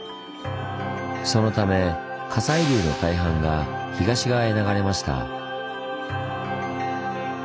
そのため火砕流の大半が東側へ流れました。